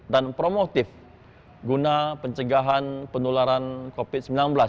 dan promotif guna pencegahan penularan covid sembilan belas